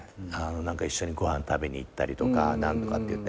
一緒にご飯食べに行ったりとか何とかっていって。